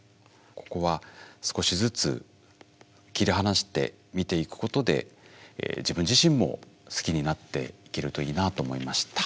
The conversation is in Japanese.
ここは少しずつ切り離して見ていくことで自分自身も好きになっていけるといいなと思いました。